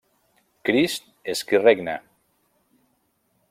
Crist és qui regna.